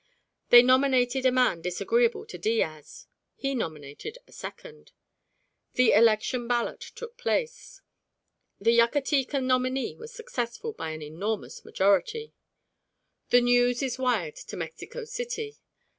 They nominated a man disagreeable to Diaz; he nominated a second. The election ballot took place. The Yucatecan nominee was successful by an enormous majority. The news is wired to Mexico City.